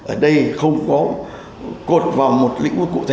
ở đây không có cột vào một lĩnh vực cụ thể